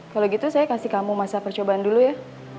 kalau gitu saya kasih kamu masa percobaan dulu ya